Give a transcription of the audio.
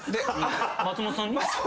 松本さんに？